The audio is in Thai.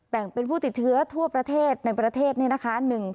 เป็นผู้ติดเชื้อทั่วประเทศในประเทศนี่นะคะ